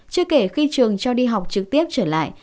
chưa kể khi trường cho đi học trực tiếp trở lại